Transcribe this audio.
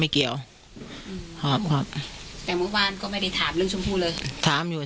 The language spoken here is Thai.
แต่เมื่อวานก็ไม่ได้ถามเรื่องชมพูเลย